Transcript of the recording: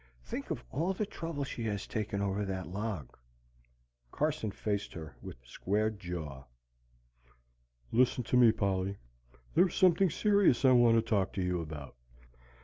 "Think of all the trouble she has taken over that log!" Carson faced her with squared jaw. "Listen to me, Polly. There is something serious I want to talk to you about.